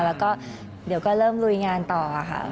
แล้วก็เริ่มลุยงานต่อค่ะ